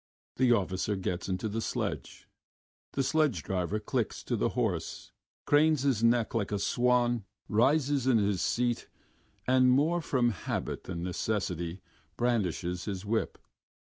The officer gets into the sledge. The sledge driver clicks to the horse, cranes his neck like a swan, rises in his seat, and more from habit than necessity brandishes his whip.